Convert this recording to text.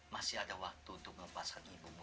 masih ada waktu untuk melepaskan ibumu